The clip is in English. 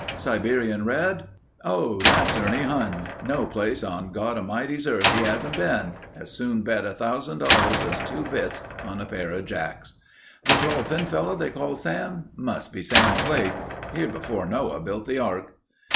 Siberian Red? Oh, that's Ernie Huhn. No place on Godamighty's earth he hasn't been. As soon bet $1000 as two bits on a pair of jacks." "The tall thin fellow they called Sam? Must be Sam Flake. Here before Noah built the ark."